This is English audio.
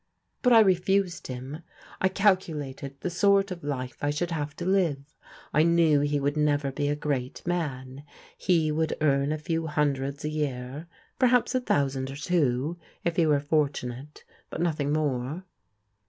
But I refused him. I calculated the sort of life I should have to live. I knew he would never be a great man. He would earn a few hundreds a year, perhaps a thousand or two, if be were forttmate, but nothing more."